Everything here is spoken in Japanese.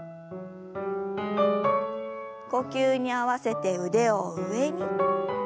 呼吸に合わせて腕を上に。